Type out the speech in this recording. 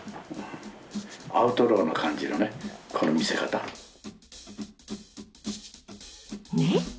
アウトローな感じのねこの見せ方。ね？